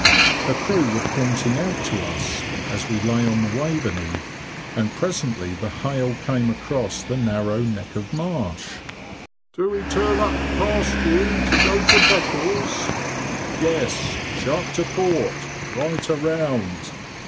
Her crew were pointing out to us, as we lay on the Waveney, and presently the hail came across the narrow neck of marsh, "Do we turn up past you to go to Beccles?" "Yes, sharp to port; right around!"